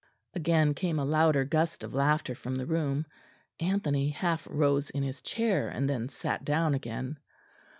Again came a louder gust of laughter from the room. Anthony half rose in his chair, and then sat down again.